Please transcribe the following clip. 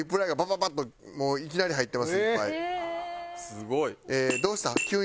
すごい。